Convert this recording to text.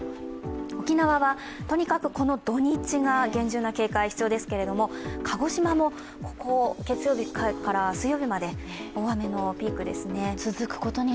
沖縄はとにかくこの土日が厳重な警戒が必要ですけれども、鹿児島もここ月曜日から水曜日まで大雨のピークですね。